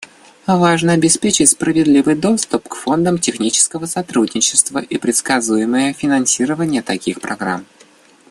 Важно обеспечить справедливый доступ к фондам технического сотрудничества и предсказуемое финансирование таких программ.